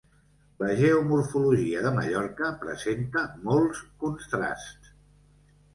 La geomorfologia de Mallorca presenta molts contrasts.